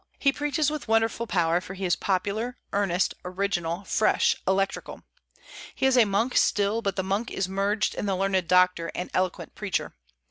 He preaches with wonderful power, for he is popular, earnest, original, fresh, electrical. He is a monk still, but the monk is merged in the learned doctor and eloquent preacher.